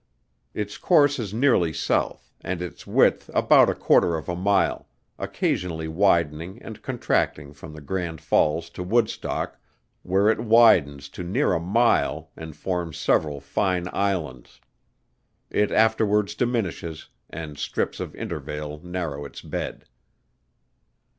Its course is nearly south, and its width about a quarter of a mile, occasionally widening and contracting from the Grand Falls to Woodstock, where it widens to near a mile and forms several fine Islands. It afterwards diminishes, and strips of intervale narrow its bed.